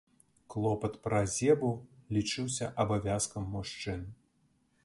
Клопат пра зебу лічыўся абавязкам мужчын.